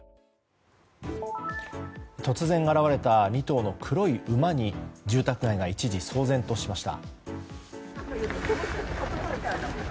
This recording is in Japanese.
突然現れた２頭の黒い馬に住宅街が一時騒然としました。